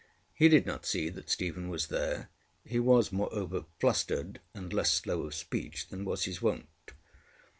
He did not see that Stephen was there: he was, moreover, flustered and less slow of speech than was his wont.